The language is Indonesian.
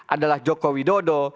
adalah joko widodo